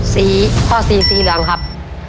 ข้อสี่สีเหลืองครับ